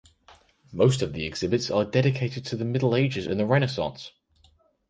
Most of the exhibits are dedicated to the Middle Ages and the Renaissance.